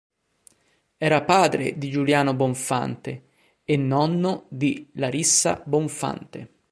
Era padre di Giuliano Bonfante e nonno di Larissa Bonfante.